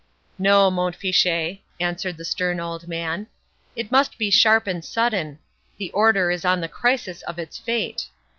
"No, Mont Fitchet," answered the stern old man—"it must be sharp and sudden—the Order is on the crisis of its fate.